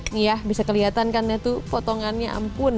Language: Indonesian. ini ya bisa kelihatan kan itu potongannya ampun